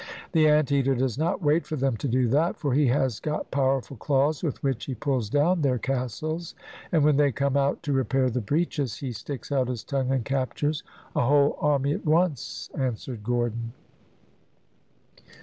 "The ant eater does not wait for them to do that, for he has got powerful claws with which he pulls down their castles, and when they come out to repair the breaches, he sticks out his tongue and captures a whole army at once," answered Gordon.